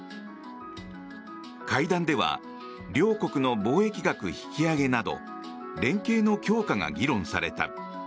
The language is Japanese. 会談では両国の貿易額引き上げなど連携の強化が議論された。